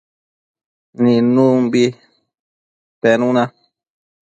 nidnumbi penuna